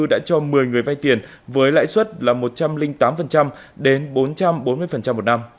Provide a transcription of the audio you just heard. đã cho một mươi người vay tiền với lãi suất là một trăm linh tám đến bốn trăm bốn mươi một năm